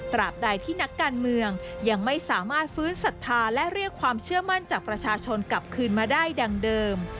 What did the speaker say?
บใดที่นักการเมืองยังไม่สามารถฟื้นศรัทธาและเรียกความเชื่อมั่นจากประชาชนกลับคืนมาได้ดังเดิม